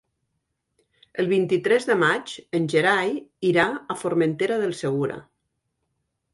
El vint-i-tres de maig en Gerai irà a Formentera del Segura.